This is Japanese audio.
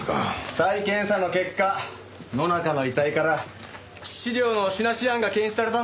再検査の結果野中の遺体から致死量のシナシアンが検出されたんだよ。